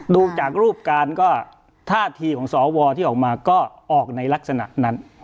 ดูจากรูปการก็ท่าทีของสวที่ออกมาก็ออกในลักษณะนั้น